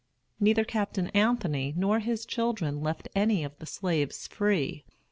Neither Captain Anthony nor his children left any of the slaves free.